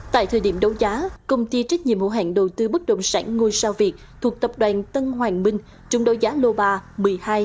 tại thời điểm đấu giá công ty trách nhiệm hữu hạn đầu tư bất động sản ngôi sao việt thuộc tập đoàn tân hoàng minh